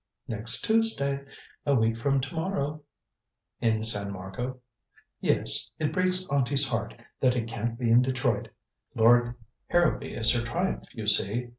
"Next Tuesday. A week from to morrow." "In San Marco?" "Yes. It breaks auntie's heart that it can't be in Detroit. Cord Harrowby is her triumph, you see.